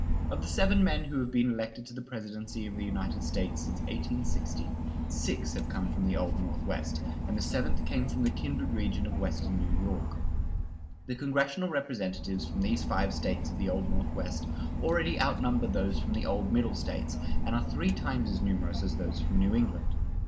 Of the seven men who have been elected to the presidency of the United States since 1860, six have come from the Old Northwest, and the seventh came from the kindred region of western New York. The congressional Representatives from these five States of the Old Northwest already outnumber those from the old Middle States, and are three times as numerous as those from New England.